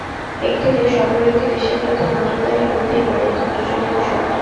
একটি দেশ অপর একটি দেশের প্রতি নজরদারি করতেই পারে, এটি প্রচলিত সত্য।